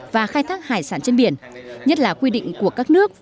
và khai thác hải sản trên biển nhất là quy định của các nước